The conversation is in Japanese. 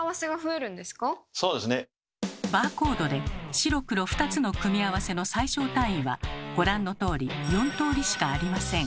バーコードで白黒２つの組み合わせの最小単位はご覧のとおり４通りしかありません。